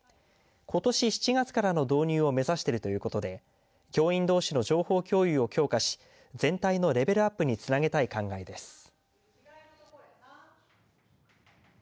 ことし７月からの導入を目指しているということで教員どうしの情報共有を強化し全体のレベルアップにつなげたい考えです。